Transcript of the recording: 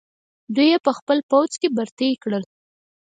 دوی یې په خپل پوځ کې برتۍ کړل.